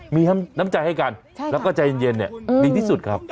มีน้ำใจให้กันแล้วก็ใจเย็นดีที่สุดครับ